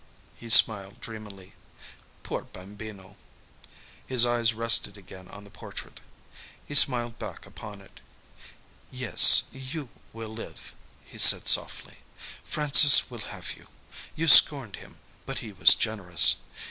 He smiled dreamily. "Poor Bambino." His eyes rested again on the portrait.... He smiled back upon it. "Yes, you will live," he said softly. "Francis will have you. You scorned him. But he was generous.